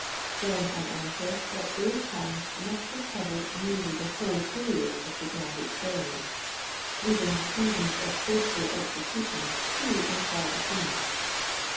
Then, I answer, that those times must have covered nearly the whole period of the grand ex periment," leaving the seasons of faithful execution" few and far between.